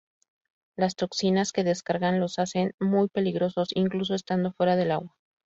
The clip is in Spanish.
Las toxinas que descargan los hacen muy peligrosos, incluso estando fuera del agua.